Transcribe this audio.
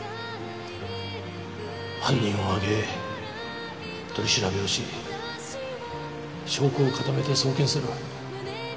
犯人を挙げ取り調べをし証拠を固めて送検する。